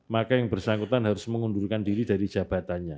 maka yang bersangkutan harus mengundurkan diri dari jabatannya